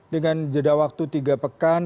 dengan jeda waktu tiga pekan